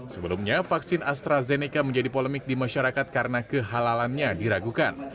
sebelumnya vaksin astrazeneca menjadi polemik di masyarakat karena kehalalannya diragukan